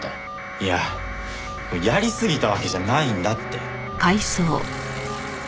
いややりすぎたわけじゃないんだって。